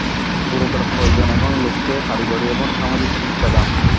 গুরুতর প্রয়োজন এখন লোককে কারিগরী এবং সামাজিক শিক্ষাদান।